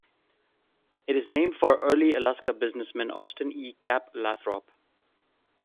It is named for early Alaska businessman Austin E. "Cap" Lathrop.